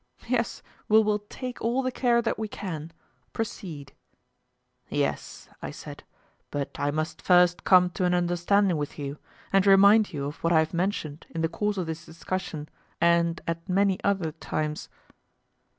Yes, we will take all the care that we can: proceed. Yes, I said, but I must first come to an understanding with you, and remind you of what I have mentioned in the course of this discussion, and at many other times.